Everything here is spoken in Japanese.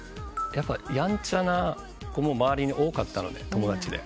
やっぱやんちゃな子も周りに多かったので友達で。